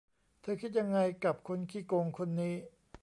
เธอคิดยังไงกับคนขี้โกงคนนี้